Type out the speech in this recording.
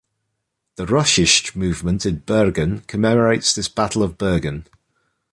The Russisch Monument in Bergen commemorates this Battle of Bergen.